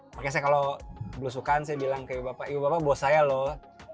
makanya saya kalau belusukan saya bilang ke bapak ibu bapak bos saya loh